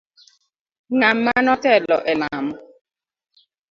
Ng'ama notelo elamo.